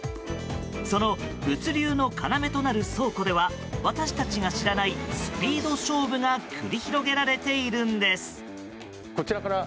その物流の要となる倉庫では私たちが知らないスピード勝負が繰り広げられているんです。